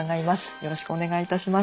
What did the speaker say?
よろしくお願いします。